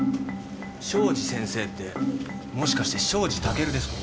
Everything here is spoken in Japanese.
庄司先生ってもしかして庄司タケルですか？